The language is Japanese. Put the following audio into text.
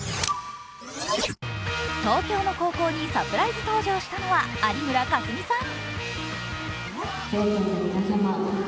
東京の高校にサプライズ登場したのは有村架純さん。